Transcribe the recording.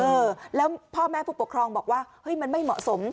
เออแล้วพ่อแม่ผู้ปกครองบอกว่าเฮ้ยมันไม่เหมาะสม